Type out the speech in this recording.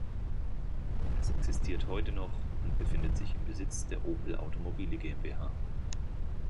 Es existiert heute noch und befindet sich im Besitz der Opel Automobile GmbH.